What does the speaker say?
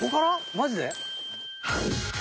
マジで？